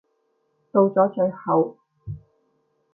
到咗最後